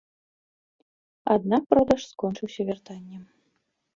Аднак продаж скончыўся вяртаннем.